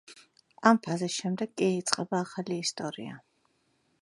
ამ ფაზის შემდეგ კი, იწყება ახალი ისტორია.